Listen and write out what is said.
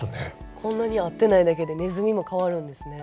こんなに会ってないだけでネズミも変わるんですね。